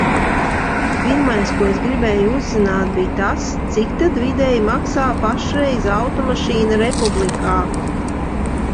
Pirmais, ko es gribēju uzzināt, bija tas, cik tad vidēji maksā pašreiz automašīna republikā.